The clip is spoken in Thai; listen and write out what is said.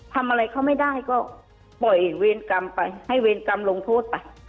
ทำอะไรเขาไม่ได้ก็ปล่อยเวรกรรมไปให้เวรกรรมลงโทษไป